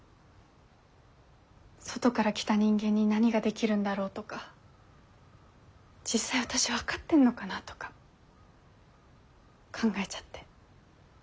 外から来た人間に何ができるんだろうとか実際私分かってんのかなとか考えちゃって。